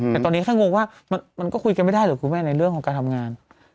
แต่ตอนนี้แค่งงว่ามันก็คุยกันไม่ได้หรือคุณแม่ในเรื่องของการทำงาน